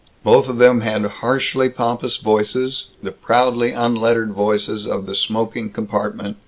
Both of them had harshly pompous voices the proudly unlettered voices of the smoking compartment.